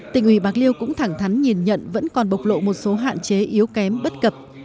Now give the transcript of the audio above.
tỉnh ủy bạc liêu cũng thẳng thắn nhìn nhận vẫn còn bộc lộ một số hạn chế yếu kém bất cập